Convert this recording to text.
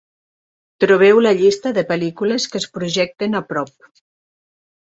Trobeu la llista de pel·lícules que es projecten a prop